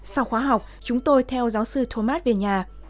sau khóa học chúng tôi theo giáo sư thomas về nhà